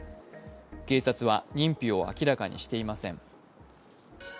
警察は認否を明らかにしていません。